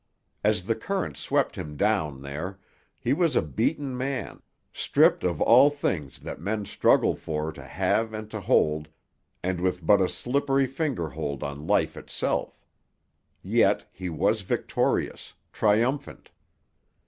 As the current swept him down there, he was a beaten man, stripped of all the things that men struggle for to have and to hold, and with but a slippery finger hold on life itself. Yet he was victorious, triumphant.